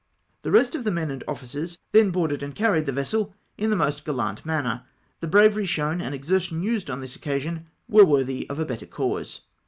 "The rest of the men and officers then boarded and 236 OFF TOULOX, carried the vessel in the most gallant manner. The bravery shown and exertion used on this occasion were worthy of a better cause.